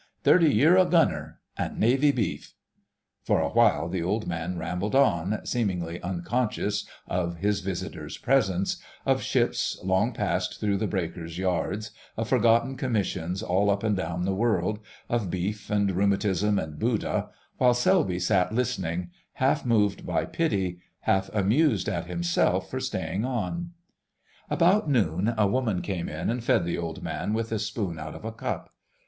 Thirty year a Gunner; an' Navy beef——" For a while the old man rambled on, seemingly unconscious of his visitor's presence, of ships long passed through the breakers' yards, of forgotten commissions all up and down the world, of beef and rheumatism and Buddha, while Selby sat listening, half moved by pity, half amused at himself for staying on. About noon a woman came in and fed the old man with a spoon out of a cup.